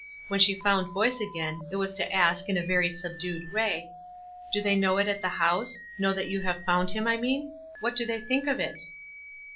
When she found voice again, it was to ask, in a very subdued way, — "Do they know it at the house — know that you have found him, I mean? What do they think of it?"